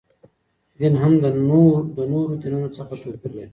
دین هم د نورو دینونو څخه توپیر لري.